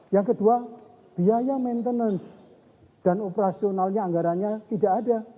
yang kedua biaya maintenance dan operasionalnya anggarannya tidak ada